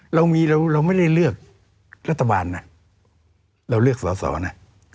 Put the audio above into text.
เรามีเราไม่ได้เลือกรัฐบาลนะเราเลือกสอสอนะ